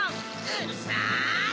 うるさい！